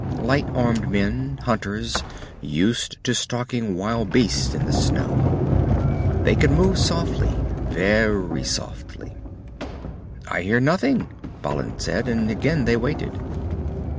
Light armed men, hunters, used to stalking wild beasts in the show. They could move softly, very softly. "I hear nothing," Balin said, and again they waited.